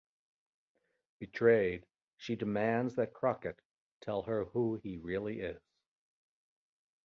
Betrayed, she demands that Crockett tell her who he really is.